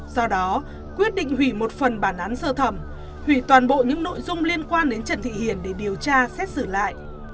do đó quyết định hủy một phần bản án sơ thẩm hủy toàn bộ những nội dung liên quan đến trần thị hiền để điều tra xét xử lại